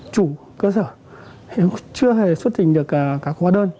chủ cơ sở chưa hề xuất tình được cả các hóa đơn